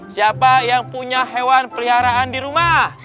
siapa yang punya hewan peliharaan di rumah